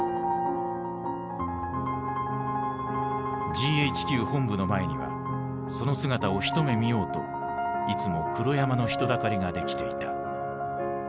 ＧＨＱ本部の前にはその姿を一目見ようといつも黒山の人だかりができていた。